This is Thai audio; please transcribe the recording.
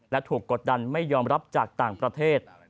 และถูกกดดันไม่ยอมรับจากต่างประเทศ